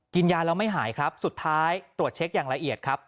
ยาแล้วไม่หายครับสุดท้ายตรวจเช็คอย่างละเอียดครับ